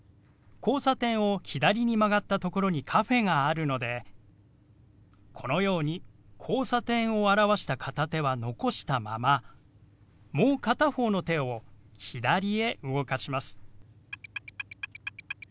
交差点を左に曲がった所にカフェがあるのでこのように「交差点」を表した片手は残したままもう片方の手を左へ動かします。